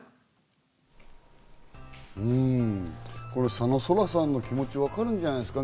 佐野咲良さんの気持ち、わかるんじゃないですか？